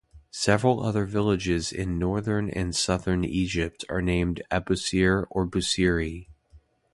Several other villages in northern and southern Egypt are named Abusir or Busiri.